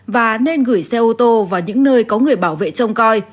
và nên gửi xe ô tô vào những nơi có người bảo vệ trông coi